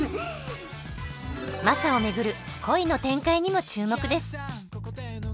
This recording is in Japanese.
マサを巡る恋の展開にも注目です。